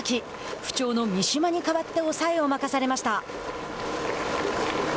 不調の三嶋に代わって抑えを任されました。